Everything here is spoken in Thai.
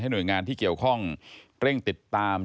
หน่วยงานที่เกี่ยวข้องเร่งติดตาม